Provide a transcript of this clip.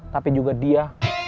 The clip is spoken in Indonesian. tapi juga dia